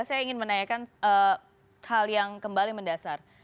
saya ingin menanyakan hal yang kembali mendasar